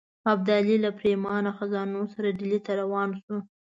ابدالي له پرېمانه خزانو سره ډهلي ته روان شو.